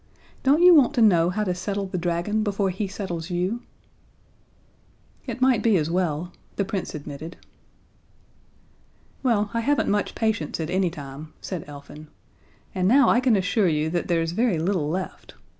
"Don't you want to know how to settle the dragon before he settles you?" "It might be as well," the Prince admitted. "Well, I haven't much patience at any time," said Elfin, "and now I can assure you that there's very little left.